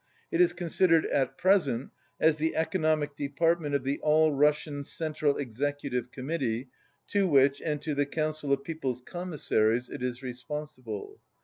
It is considered at present as the economic department of the All Russian Central Executive Committee, to which, and to the Council of People's Commissaries, it is responsible.